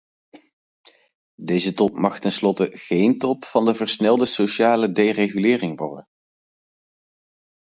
Deze top mag ten slotte geen top van de versnelde sociale deregulering worden.